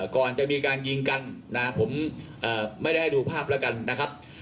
ก่อนจะมีการยิงกันนะผมไม่ได้ให้ดูภาพแล้วกันนะครับ